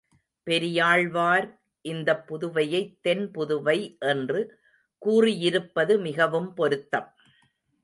பெரியாழ்வார் இந்தப் புதுவையைத் தென் புதுவை என்று கூறியிருப்பது மிகவும் பொருத்தம்.